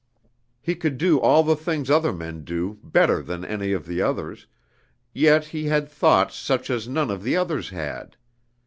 _ He could do all the things other men do better than any of the others, yet he had thoughts such as none of the others had.